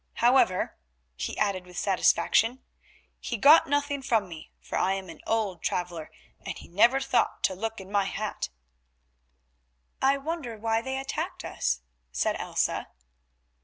However," he added with satisfaction, "he got nothing from me, for I am an old traveller, and he never thought to look in my hat." "I wonder why they attacked us," said Elsa.